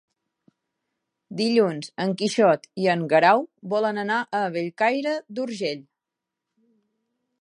Dilluns en Quixot i en Guerau volen anar a Bellcaire d'Urgell.